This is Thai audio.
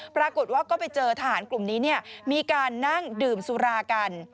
ปรากฏว่าก็ไปเจอทหารกลุ่มนี้มีการนั่งดื่มสุรากัน